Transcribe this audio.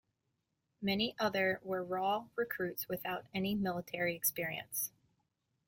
Many other were raw recruits without any military experience.